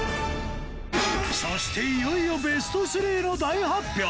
そしていよいよベスト３の大発表！